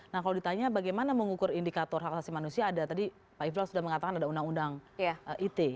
nah kalau ditanya bagaimana mengukur indikator hak asasi manusia ada tadi pak ifla sudah mengatakan ada undang undang ite